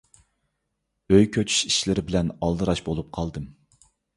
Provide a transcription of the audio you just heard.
ئۆي كۆچۈش ئىشلىرى بىلەن ئالدىراش بولۇپ قالدىم.